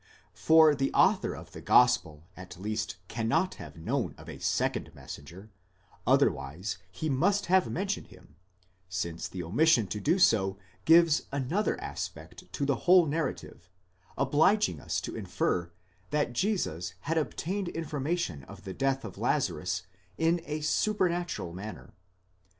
For the author of the gospel at least cannot have known of a second messenger, otherwise he must have mentioned him, since the omission to do so gives another aspect to the whole narrative, obliging us to infer that Jesus had obtained information of the death of Lazarus in a supernatural manner.